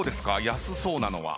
安そうなのは。